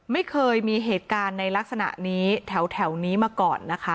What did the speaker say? ไม่เคยมีเหตุการณ์ในลักษณะนี้แถวนี้มาก่อนนะคะ